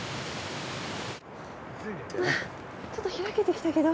ちょっと開けてきたけど。